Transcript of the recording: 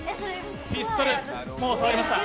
ピストル、もう触りました。